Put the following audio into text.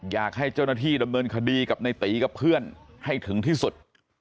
อยากให้เจ้าหน้าที่ดำเนินคดีกับในตีกับเพื่อนให้ถึงที่สุด